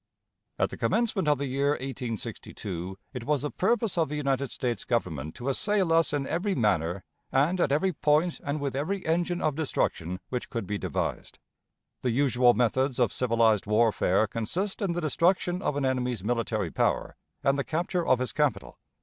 At the commencement of the year 1862 it was the purpose of the United States Government to assail us in every manner and at every point and with every engine of destruction which could be devised. The usual methods of civilized warfare consist in the destruction of an enemy's military power and the capture of his capital.